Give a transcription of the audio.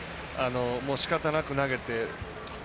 しかたなく投げて。